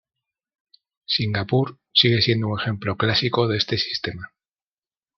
Singapur, sigue siendo un ejemplo clásico de este sistema.